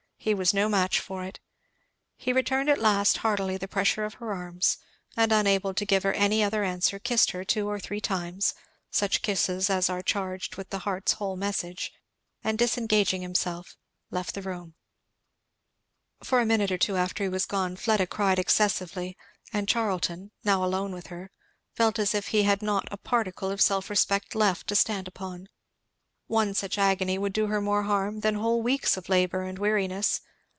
He was no match for it. He returned at last heartily the pressure of her arms, and unable to give her any other answer kissed her two or three times, such kisses as are charged with the heart's whole message; and disengaging himself left the room. For a minute after he was gone Fleda cried excessively; and Charlton, now alone with her, felt as if he had not a particle of self respect left to stand upon. One such agony would do her more harm than whole weeks of labour and weariness.